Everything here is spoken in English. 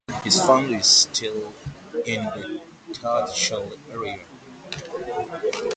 His family still live in the Tattershall area.